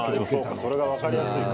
それが分かりやすいか。